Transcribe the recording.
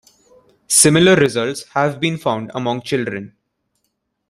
Similar results have been found among children.